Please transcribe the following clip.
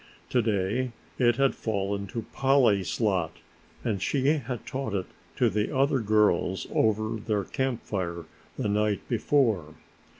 To day it had fallen to Polly's lot and she had taught it to the other girls over their camp fire the night before.